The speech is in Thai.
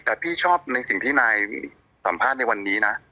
แต่พี่ชอบในสิ่งที่นายสัมภาษณ์ในวันนี้นะ